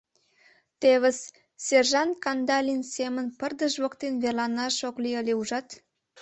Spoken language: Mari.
Тевыс, сержант Кандалин семын пырдыж воктен верланаш ок лий ыле, ужат.